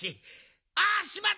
あっしまった！